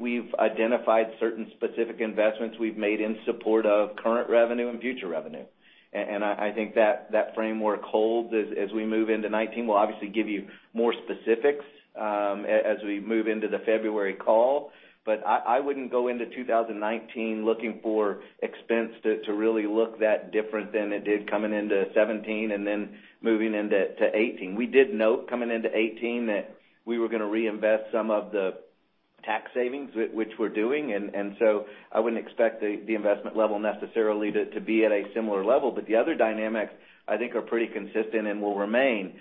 We've identified certain specific investments we've made in support of current revenue and future revenue. I think that framework holds as we move into 2019. We'll obviously give you more specifics as we move into the February call. I wouldn't go into 2019 looking for expense to really look that different than it did coming into 2017 and then moving into 2018. We did note coming into 2018 that we were going to reinvest some of the tax savings, which we're doing, I wouldn't expect the investment level necessarily to be at a similar level. The other dynamics, I think, are pretty consistent and will remain.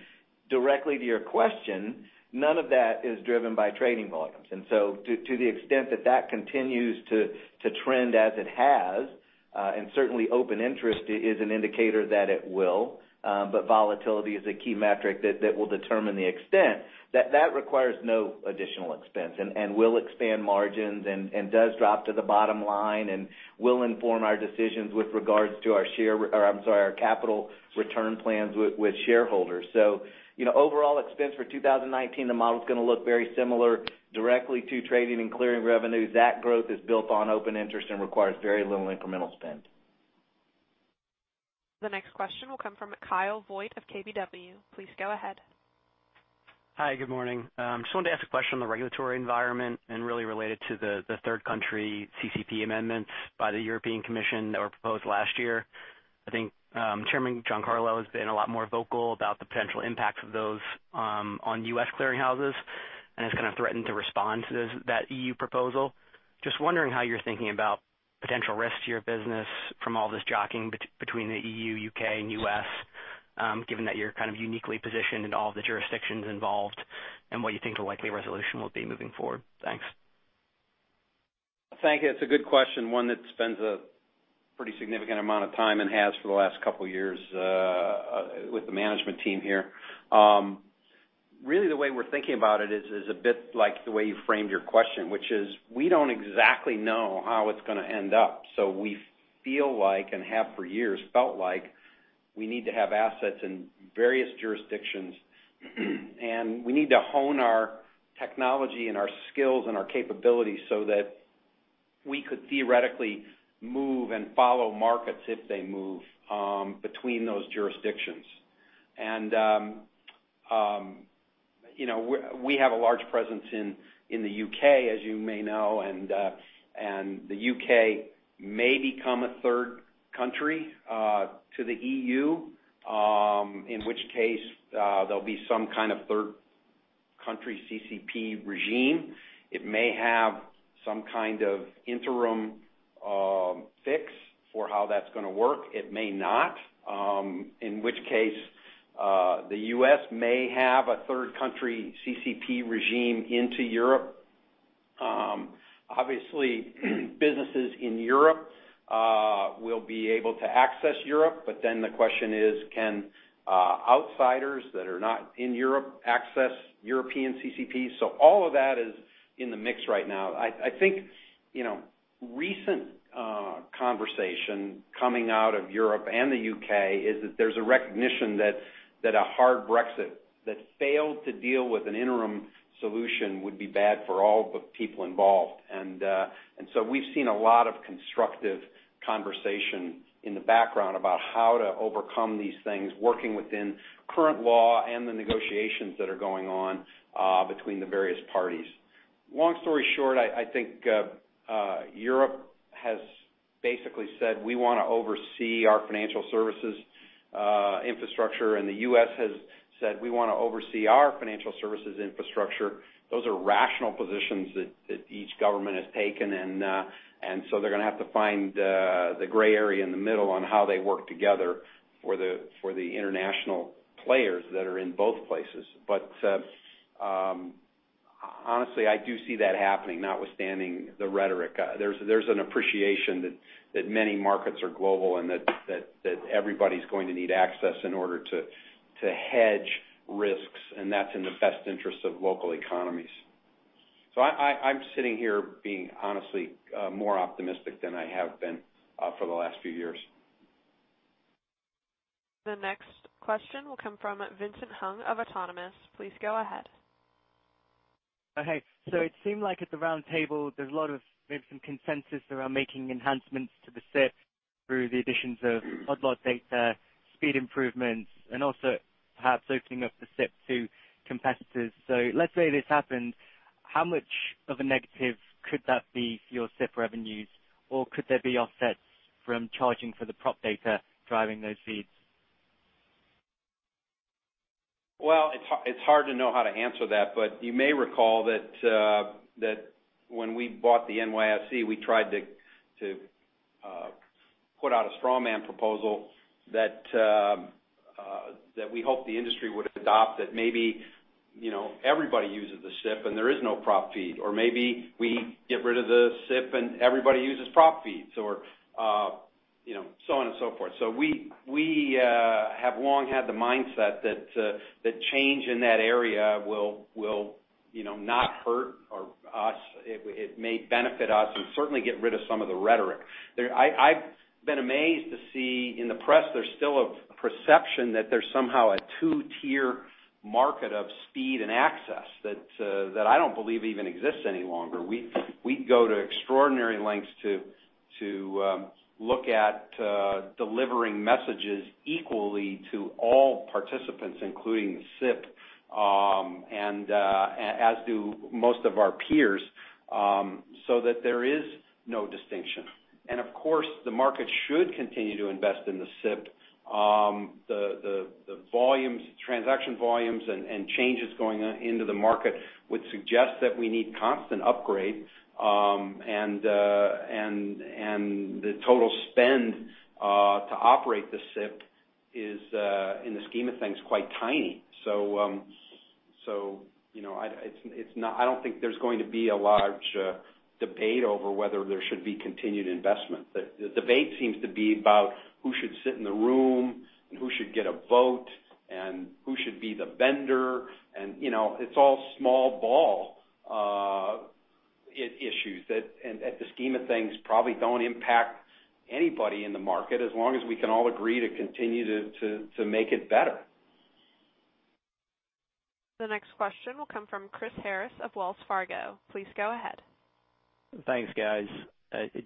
Directly to your question, none of that is driven by trading volumes. To the extent that that continues to trend as it has, and certainly open interest is an indicator that it will, volatility is a key metric that will determine the extent, that requires no additional expense and will expand margins and does drop to the bottom line and will inform our decisions with regards to our capital return plans with shareholders. Overall expense for 2019, the model's going to look very similar directly to trading and clearing revenues. That growth is built on open interest and requires very little incremental spend. The next question will come from Kyle Voigt of KBW. Please go ahead. Hi, good morning. Wanted to ask a question on the regulatory environment and really relate it to the third country CCP amendments by the European Commission that were proposed last year. I think Chairman Giancarlo has been a lot more vocal about the potential impacts of those on U.S. clearing houses and has kind of threatened to respond to that EU proposal. Wondering how you're thinking about potential risks to your business from all this jockeying between the EU, U.K., and U.S., given that you're kind of uniquely positioned in all of the jurisdictions involved, and what you think the likely resolution will be moving forward. Thanks. Thank you. It's a good question, one that spends a pretty significant amount of time and has for the last couple of years with the management team here. The way we're thinking about it is a bit like the way you framed your question, which is, we don't exactly know how it's going to end up. We feel like, and have for years felt like we need to have assets in various jurisdictions and we need to hone our technology and our skills and our capabilities so that we could theoretically move and follow markets if they move between those jurisdictions. We have a large presence in the U.K., as you may know, and the U.K. may become a third country to the EU, in which case, there'll be some kind of third country CCP regime. It may have some kind of interim fix for how that's going to work. It may not, in which case, the U.S. may have a third country CCP regime into Europe. Obviously, businesses in Europe will be able to access Europe, but then the question is, can outsiders that are not in Europe access European CCP? All of that is in the mix right now. I think recent conversation coming out of Europe and the U.K. is that there's a recognition that a hard Brexit that failed to deal with an interim solution would be bad for all the people involved. We've seen a lot of constructive conversation in the background about how to overcome these things, working within current law and the negotiations that are going on between the various parties. Long story short, I think Europe has basically said, "We want to oversee our financial services infrastructure," and the U.S. has said, "We want to oversee our financial services infrastructure." Those are rational positions that each government has taken, they're going to have to find the gray area in the middle on how they work together for the international players that are in both places. Honestly, I do see that happening, notwithstanding the rhetoric. There's an appreciation that many markets are global and that everybody's going to need access in order to hedge risks, and that's in the best interest of local economies. I'm sitting here being honestly more optimistic than I have been for the last few years. The next question will come from Vincent Hung of Autonomous. Please go ahead. Okay. It seemed like at the round table, there's a lot of, maybe some consensus around making enhancements to the SIP through the additions of odd lot data, speed improvements, and also perhaps opening up the SIP to competitors. Let's say this happens, how much of a negative could that be for your SIP revenues? Or could there be offsets from charging for the prop data driving those feeds? It's hard to know how to answer that, but you may recall that when we bought the NYSE, we tried to put out a straw man proposal that we hope the industry would adopt, that maybe everybody uses the SIP and there is no prop feed, or maybe we get rid of the SIP and everybody uses prop feeds, or so on and so forth. We have long had the mindset that change in that area will not hurt us. It may benefit us and certainly get rid of some of the rhetoric. I've been amazed to see in the press there's still a perception that there's somehow a two-tier market of speed and access that I don't believe even exists any longer. We'd go to extraordinary lengths to look at delivering messages equally to all participants, including the SIP, and as do most of our peers, so that there is no distinction. Of course, the market should continue to invest in the SIP. The transaction volumes and changes going into the market would suggest that we need constant upgrades. The total spend to operate the SIP is, in the scheme of things, quite tiny. I don't think there's going to be a large debate over whether there should be continued investment. The debate seems to be about who should sit in the room and who should get a vote and who should be the vendor. It's all small ball issues that at the scheme of things probably don't impact anybody in the market, as long as we can all agree to continue to make it better. The next question will come from Chris Harris of Wells Fargo. Please go ahead. Thanks, guys.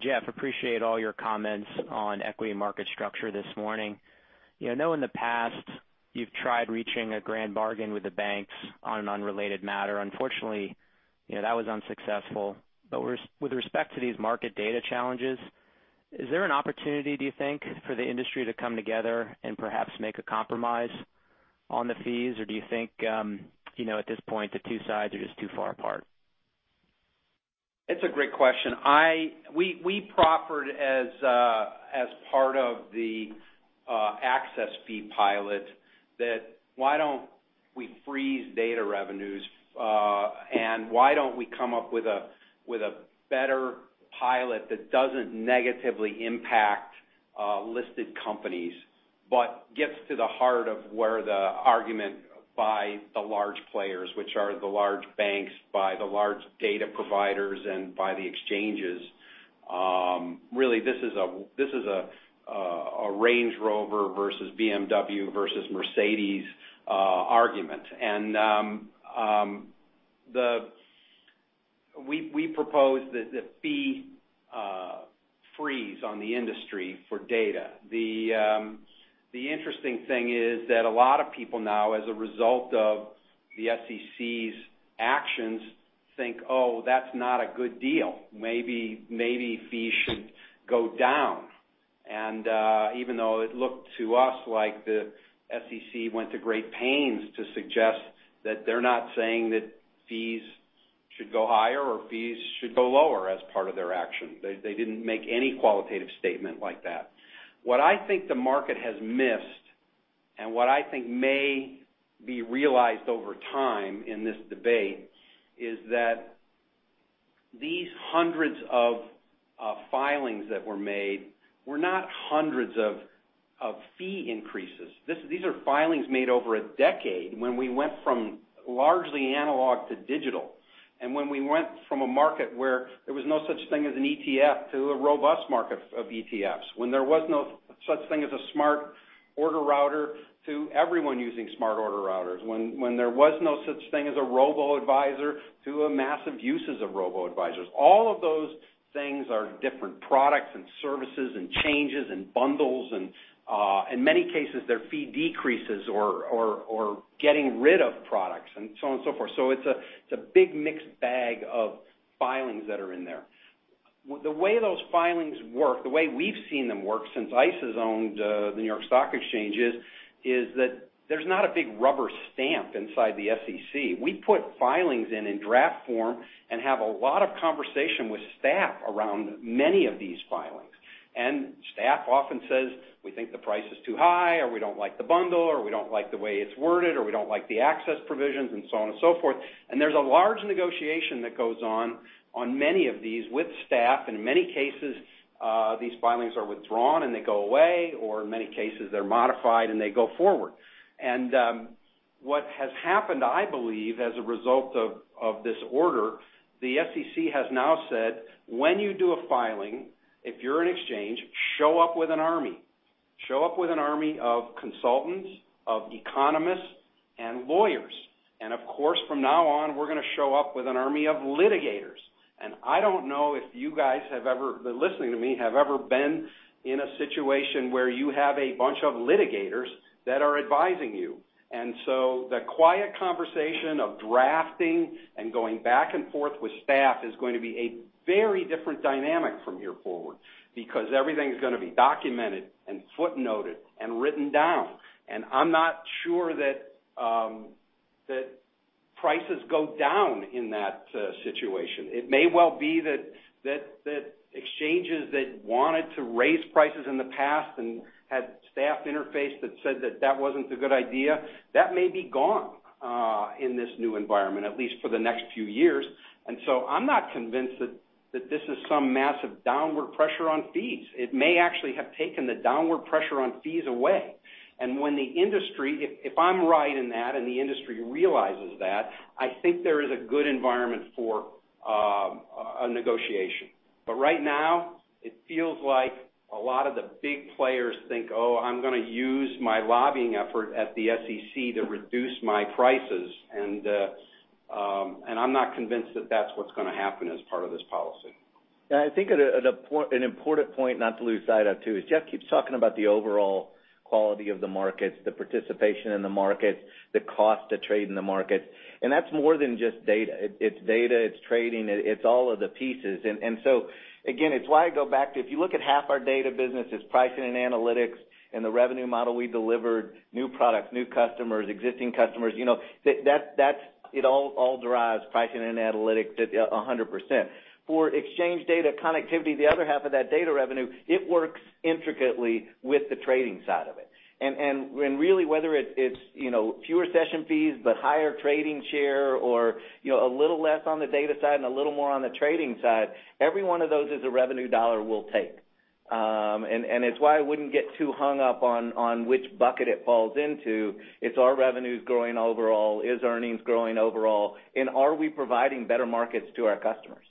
Jeff, appreciate all your comments on equity market structure this morning. I know in the past you've tried reaching a grand bargain with the banks on an unrelated matter. Unfortunately, that was unsuccessful. With respect to these market data challenges, is there an opportunity, do you think, for the industry to come together and perhaps make a compromise on the fees, or do you think, at this point, the two sides are just too far apart? It's a great question. We proffered as part of the access fee pilot that why don't we freeze data revenues, and why don't we come up with a better pilot that doesn't negatively impact listed companies, but gets to the heart of where the argument by the large players, which are the large banks, by the large data providers, and by the exchanges. Really, this is a Range Rover versus BMW versus Mercedes-Benz argument. We proposed the fee freeze on the industry for data. The interesting thing is that a lot of people now, as a result of the SEC's actions, think, "Oh, that's not a good deal." Maybe fees should go down. Even though it looked to us like the SEC went to great pains to suggest that they're not saying that fees should go higher or fees should go lower as part of their action. They didn't make any qualitative statement like that. What I think the market has missed, and what I think may be realized over time in this debate, is that these hundreds of filings that were made were not hundreds of fee increases. These are filings made over a decade when we went from largely analog to digital, and when we went from a market where there was no such thing as an ETF to a robust market of ETFs. When there was no such thing as a smart order router to everyone using smart order routers. When there was no such thing as a robo-advisor to a massive uses of robo-advisors. All of those things are different products and services and changes and bundles, and in many cases, they're fee decreases or getting rid of products and so on and so forth. It's a big mixed bag of filings that are in there. The way those filings work, the way we've seen them work since ICE has owned the New York Stock Exchange is that there's not a big rubber stamp inside the SEC. We put filings in in draft form and have a lot of conversation with staff around many of these filings. Staff often says, "We think the price is too high" or "We don't like the bundle" or "We don't like the way it's worded" or "We don't like the access provisions" and so on and so forth. There's a large negotiation that goes on many of these with staff. In many cases, these filings are withdrawn, and they go away, or in many cases, they're modified, and they go forward. What has happened, I believe, as a result of this order, the SEC has now said, "When you do a filing, if you're an exchange, show up with an army. Show up with an army of consultants, of economists, and lawyers." Of course, from now on, we're going to show up with an army of litigators. I don't know if you guys have ever been listening to me, have ever been in a situation where you have a bunch of litigators that are advising you. The quiet conversation of drafting and going back and forth with staff is going to be a very different dynamic from here forward because everything's going to be documented and footnoted and written down. I'm not sure that prices go down in that situation. It may well be that exchanges that wanted to raise prices in the past and had staff interface that said that that wasn't a good idea, that may be gone in this new environment, at least for the next few years. I'm not convinced that this is some massive downward pressure on fees. It may actually have taken the downward pressure on fees away. When the industry, if I'm right in that, and the industry realizes that, I think there is a good environment for a negotiation. Right now, it feels like a lot of the big players think, "Oh, I'm going to use my lobbying effort at the SEC to reduce my prices." I'm not convinced that that's what's going to happen as part of this policy. I think an important point not to lose sight of, too, is Jeff keeps talking about the overall quality of the markets, the participation in the markets, the cost to trade in the markets. That's more than just data. It's data, it's trading, it's all of the pieces. Again, it's why I go back to, if you look at half our data business is Pricing and Analytics and the revenue model we delivered, new products, new customers, existing customers. It all derives Pricing and Analytics 100%. For exchange data connectivity, the other half of that data revenue, it works intricately with the trading side of it. When really, whether it's fewer session fees but higher trading share or a little less on the data side and a little more on the trading side, every one of those is a revenue dollar we'll take. It's why I wouldn't get too hung up on which bucket it falls into. It's are revenues growing overall, is earnings growing overall, and are we providing better markets to our customers?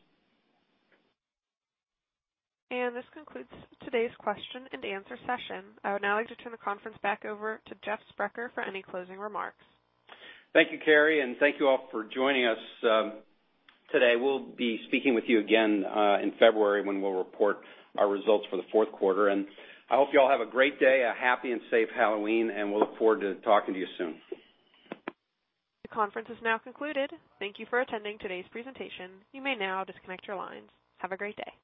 This concludes today's question and answer session. I would now like to turn the conference back over to Jeffrey Sprecher for any closing remarks. Thank you, Carrie, and thank you all for joining us today. We'll be speaking with you again in February when we'll report our results for the fourth quarter. I hope you all have a great day, a happy and safe Halloween, and we'll look forward to talking to you soon. The conference is now concluded. Thank you for attending today's presentation. You may now disconnect your lines. Have a great day.